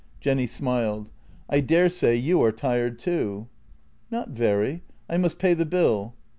Jenny smiled. " I daresay you are tired too." " Not very — I must pay the bill."